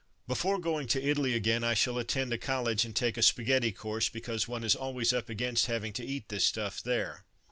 Before going to Italy again I shall attend a college and take a spaghetti course, because one is always up against having to eat this stuff there.